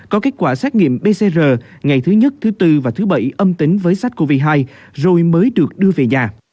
có kết quả xét nghiệm pcr ngày thứ nhất thứ tư và thứ bảy âm tính với sars cov hai rồi mới được đưa về nhà